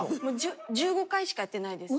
１５回しかやってないです。